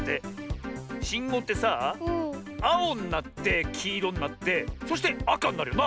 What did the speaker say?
しんごうってさああおになってきいろになってそしてあかになるよな？